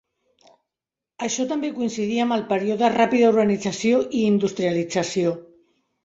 Això també coincidí amb el període ràpida urbanització i industrialització.